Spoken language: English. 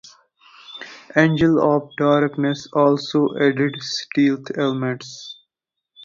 "Angel of Darkness" also added stealth elements.